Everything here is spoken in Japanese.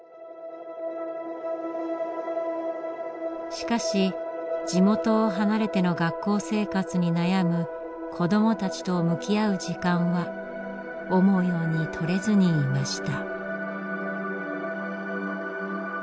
しかし地元を離れての学校生活に悩む子どもたちと向き合う時間は思うようにとれずにいました。